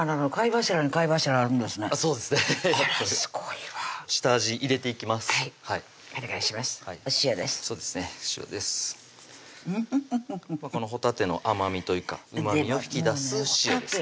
ムフフフほたての甘みというかうまみを引き出す塩ですね